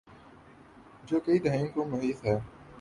جو کئی دھائیوں کو محیط ہے۔